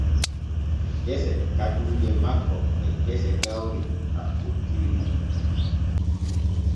Gese kajuuje makko e gese gawri takkontiri nun.